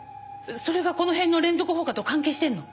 それがこの辺の連続放火と関係してるの？